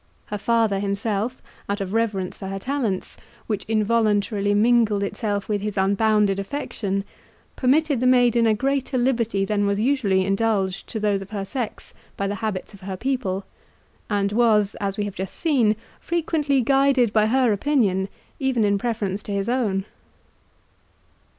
Her father himself, out of reverence for her talents, which involuntarily mingled itself with his unbounded affection, permitted the maiden a greater liberty than was usually indulged to those of her sex by the habits of her people, and was, as we have just seen, frequently guided by her opinion, even in preference to his own.